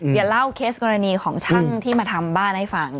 เดี๋ยวเล่าเคสกรณีของช่างที่มาทำบ้านให้ฟัง